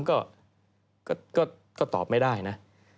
ก็ตอบไม่ได้นะ